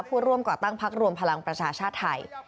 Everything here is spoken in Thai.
ผู้ร่วมก่อตั้งพักรวมพลังประชาชาติไทย